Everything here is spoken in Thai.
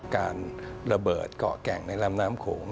การระเบิดเกาะแก่งในลำน้ำโขง